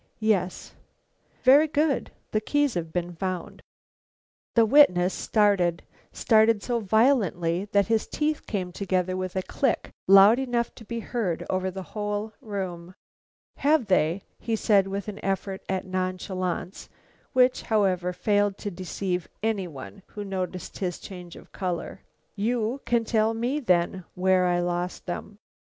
"Yes." "Very good; the keys have been found." The witness started, started so violently that his teeth came together with a click loud enough to be heard over the whole room. "Have they?" said he, with an effort at nonchalance which, however, failed to deceive any one who noticed his change of color. "You can tell me, then, where I lost them."